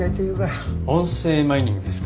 音声マイニングですか。